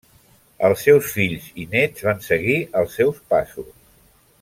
Els seus fills i néts van seguir els seus passos.